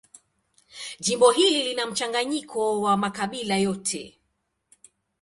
Jimbo hili lina mchanganyiko wa makabila yote.